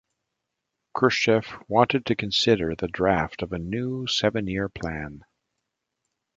Khrushchev wanted to consider the draft of a new Seven-Year plan.